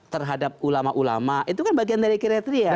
terhadap ulama ulama itu kan bagian dari kriteria